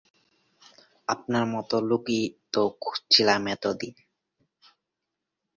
আপনার মতো লোকই তো খুঁজছিলাম এতদিন!